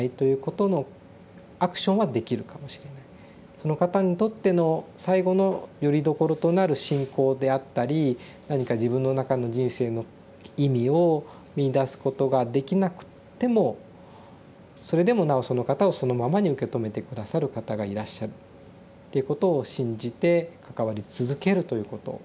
その方にとっての最後のよりどころとなる信仰であったり何か自分の中の人生の意味を見いだすことができなくってもそれでもなおその方をそのままに受け止めて下さる方がいらっしゃるっていうことを信じて関わり続けるということですね。